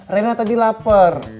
reina tadi lapar